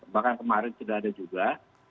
bahkan kemarin sudah ada juga